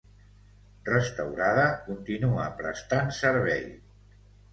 Restaurada, contínua prestant servei.